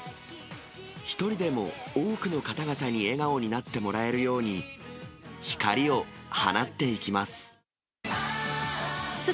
１人でも多くの方々に笑顔になってもらえるように、光を放っていきます。